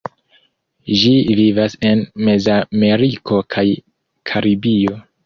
Ĝi vivas en Mezameriko kaj Karibio.